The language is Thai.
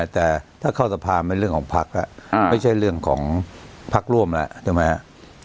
แต่ถ้าเข้าสภาเป็นเรื่องของพรรคล่ะไม่ใช่เรื่องของพรรคร่วมล่ะใช่ไหมฮะ